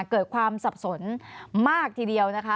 เกิดความสับสนมากทีเดียวนะคะ